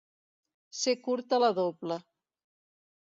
Ser curta la dobla.